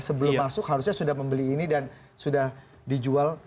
sebelum masuk harusnya sudah membeli ini dan sudah dijual